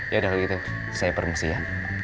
ya udah kalau gitu saya permisi ya